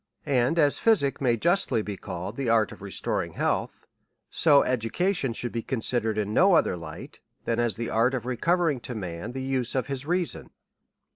And as physic may justly be called the art of restoring health, so q4 ^32 A SERIOUS CALL TO A education should be considered in no other light, than as the art of recovering to man the use of his reason.